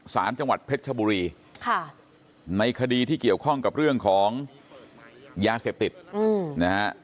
สารจังหวัดเพชรชบุรีค่ะในคดีที่เกี่ยวข้องกับเรื่องของยาเสพติดนะฮะ